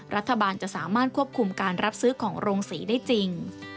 รัฐบาลจะสามารถควบคุมการรับซื้อของโรงศรีได้จริง